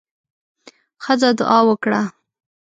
ښځه دعا وکړه.